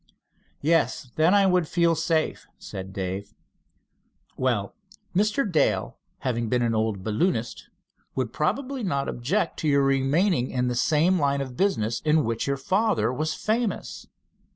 "Yes, then I would feel safe," said Dave. "Well, Mr. Dale, having been an old balloonist, would probably not object to your remaining in the same line of business in which your father was famous."